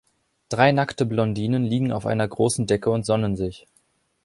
Drei nackte Blondinen liegen auf einer großen Decke und sonnen sich.